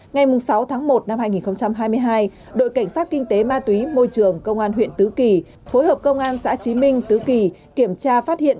ngày sáu tháng một năm hai nghìn hai mươi hai đội cảnh sát kinh tế ma túy môi trường công an huyện tứ kỳ phối hợp công an xã trí minh tứ kỳ kiểm tra phát hiện